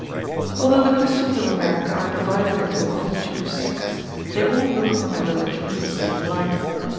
Although the Christians of America are divided into a multitude of sects, they all look upon their religion in the same light.